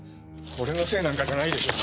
俺のせいなんかじゃないでしょ？